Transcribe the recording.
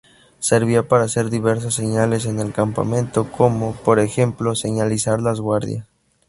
Servía para hacer diversas señales en el campamento como, por ejemplo, señalizar las guardias.